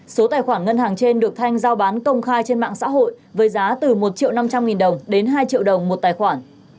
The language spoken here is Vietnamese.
số tài khoản ngân hàng trên được thanh giao bán công khai trên mạng xã hội với giá từ một triệu năm trăm linh nghìn đồng đến hai triệu đồng một tài khoản